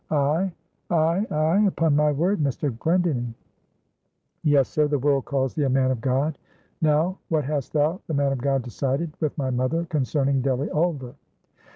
"I? I? I? upon my word, Mr. Glendinning!" "Yes, sir, the world calls thee a man of God. Now, what hast thou, the man of God, decided, with my mother, concerning Delly Ulver?"